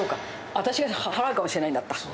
私が払うかもしれないんだった。